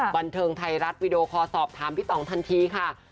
บันเทิงไทยรัฐวิดีโอคอลสอบถามพี่ต่องทันทีค่ะ